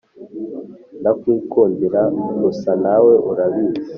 Ndakwikundira gusa nawe urabizi